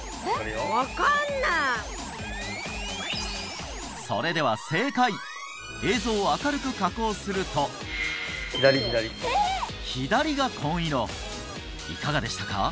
分かんないそれでは正解映像を明るく加工すると左が紺色いかがでしたか？